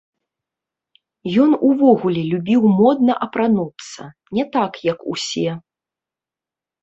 Ён увогуле любіў модна апрануцца, не так, як усе.